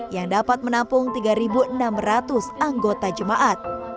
yang dapat menampung tiga enam ratus anggota jemaat